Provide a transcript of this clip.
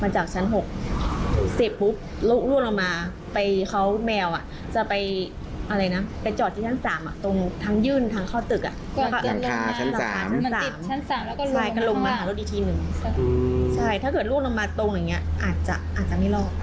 ใช่ถ้าเกิดล่วงลงมาตรงอย่างนี้อาจจะไม่รอด